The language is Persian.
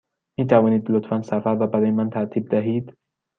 می توانید لطفاً سفر را برای من ترتیب دهید؟